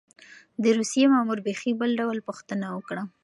د روسيې مامور بېخي بل ډول پوښتنه وکړه.